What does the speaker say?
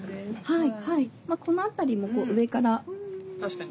はい。